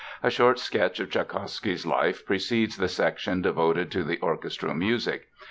A short sketch of Tschaikowsky's life precedes the section devoted to the orchestral music.